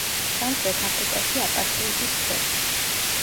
სამხრეთ აფრიკაში აპართეიდის ქვეშ.